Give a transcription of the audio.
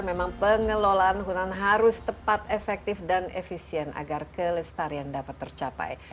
memang pengelolaan hutan harus tepat efektif dan efisien agar kelestarian dapat tercapai